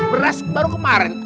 beras baru kemarin